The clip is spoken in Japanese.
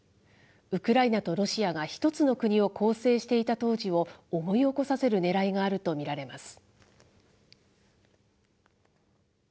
ウクライナとロシアが１つの国を構成していた当時を思い起こさせるねらいがあると見られます。